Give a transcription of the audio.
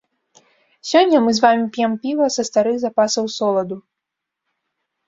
Сёння мы з вамі п'ем піва са старых запасаў соладу.